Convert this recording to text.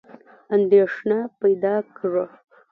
اندېښنه پیدا کړه.